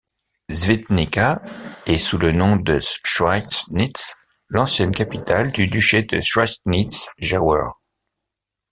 Świdnica est sous le nom de Schweidnitz, l'ancienne capitale du duché de Schweidnitz-Jauer.